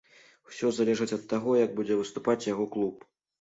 Усё залежыць ад таго, як будзе выступаць яго клуб.